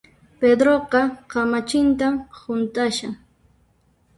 Pedroqa kamachintan hunt'ashan